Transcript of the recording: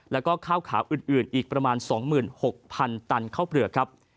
แล้วก็ข้าวขาวอื่นอีกประมาณ๒๖๐๐๐ตันข้าวเปลือกครับ